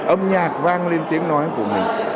âm nhạc vang lên tiếng nói của mình